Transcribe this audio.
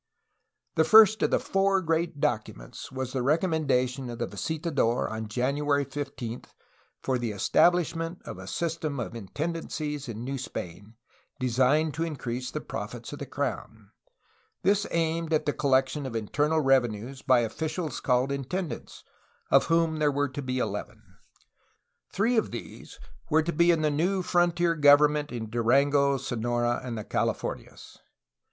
The first of the four great documents was the recommenda tion of the visitador y on January 15, for the estabUshment of a system of intendancies in New Spain, designed to increase the profits of the crown. This aimed at the collection of internal revenues by officials called intendants, of whom there were to be eleven. Three of these were. to be in the new frontier government in Durango, Sonora, and the Cali fornias.